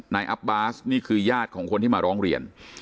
อับบาสนี่คือญาติของคนที่มาร้องเรียน